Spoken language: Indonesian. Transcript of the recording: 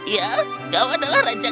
ya kau adalah raja